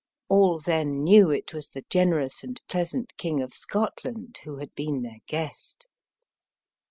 All then knew it was the "generous and pleasant King of Scotland" who had been their guest.